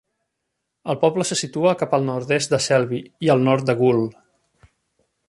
El poble se situa cap al nord-est de Selby i al nord de Goole.